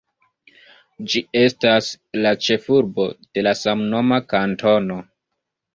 Ĝi estas la ĉefurbo de la samnoma kantono.